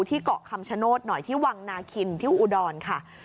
ที่เกาะคำชโนธหน่อยที่วังนาคินที่อุดรค่ะ